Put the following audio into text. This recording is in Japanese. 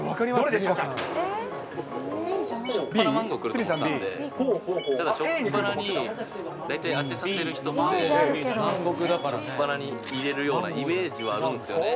しょっぱなマンゴー来ると思ったんで、ただしょっぱなに大体当てさせる人って、しょっぱなに入れるようなイメージはあるんですよね。